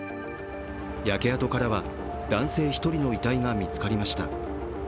焼け跡からは男性１人の遺体が見つかりました。